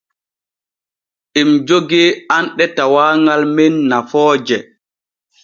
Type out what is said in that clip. Em jogee anɗe tawaagal men nafooje.